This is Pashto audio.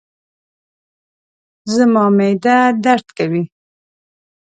زما معده درد کوي